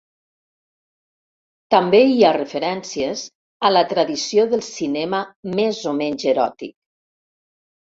També hi ha referències a la tradició del cinema més o menys eròtic.